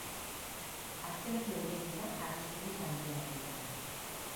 Azken bi horiek dira arriskurik handiena dutenak.